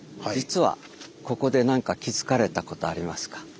実はここで何か気付かれたことありますか？